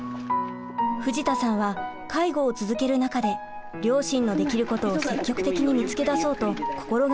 藤田さんは介護を続ける中で両親のできることを積極的に見つけ出そうと心がけました。